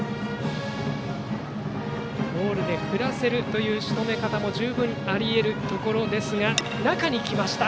ボールで振らせるというしとめ方も十分あり得るところでした。